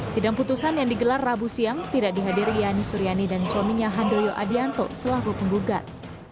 sidang putusan yang digelar rabu siang tidak dihadiri yani suryani dan suaminya handoyo adianto selaku penggugat